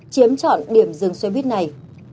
chiếm chọn điểm dừng xe buýt này